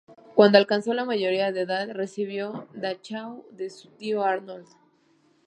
Cuando alcanzó la mayoría de edad, recibió Dachau de su tío Arnoldo.